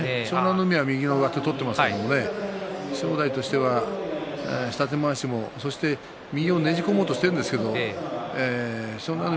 海は右の上手を取っていますけれど正代としては下手まわしもそして右もねじ込もうとしているんですけれど湘南乃